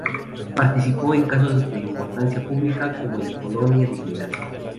Participó en casos de importancia pública como el de Colonia Dignidad.